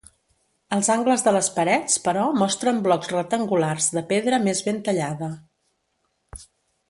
Els angles de les parets, però mostren blocs rectangulars de pedra més ben tallada.